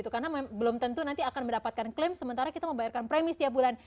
karena belum tentu nanti akan mendapatkan klaim sementara kita membayarkan premis tiap bulan